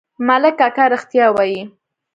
ملک اکا رښتيا وايي.